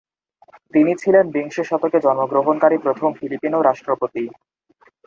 তিনি ছিলেন বিংশ শতকে জন্মগ্রহণকারী প্রথম ফিলিপিনো রাষ্ট্রপতি।